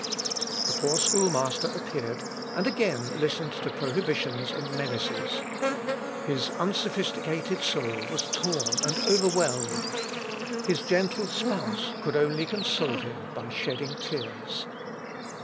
The poor schoolmaster appeared and again listened to prohibitions and menaces. His unsophisticated soul was torn and overwhelmed. His gentle spouse could only console him by shedding tears.